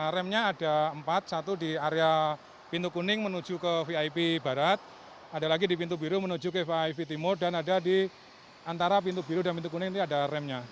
remnya ada empat satu di area pintu kuning menuju ke vip barat ada lagi di pintu biru menuju ke vip timur dan ada di antara pintu biru dan pintu kuning ini ada remnya